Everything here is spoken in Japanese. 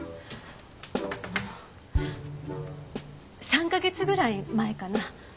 ３カ月ぐらい前かな。